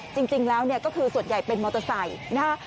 จริงแล้วเนี่ยก็คือส่วนใหญ่เป็นมอเตอร์ไซค์นะฮะ